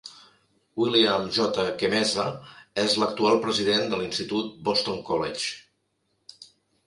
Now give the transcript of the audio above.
William J. Kemeza és l'actual president de l'institut Boston College.